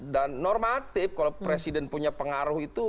dan normatif kalau presiden punya pengaruh itu